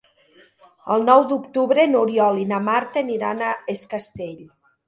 El nou d'octubre n'Oriol i na Marta aniran a Es Castell.